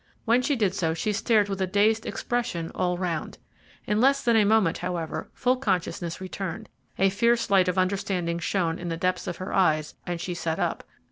When she did so she stared with a dazed expression all round. In less than a moment, however, full consciousness returned, a fierce light of understanding shone in the depths of her eyes, and she sat up.